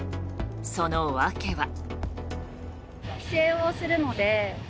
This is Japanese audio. その訳は。